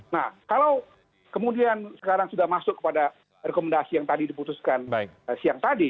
nah kalau kemudian sekarang sudah masuk kepada rekomendasi yang tadi diputuskan siang tadi